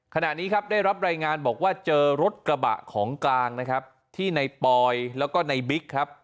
ขณะนี้ครับได้รับรายงานบอกว่าเจอรถกระบะของกลางนะครับที่ในปอยแล้วก็ในบิ๊กครับ